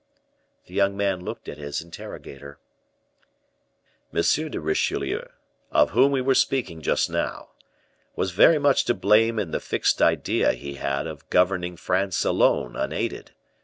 The young man looked at his interrogator. "M. de Richelieu, of whom we were speaking just now, was very much to blame in the fixed idea he had of governing France alone, unaided.